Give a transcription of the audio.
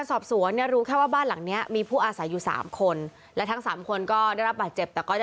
ตำรวจส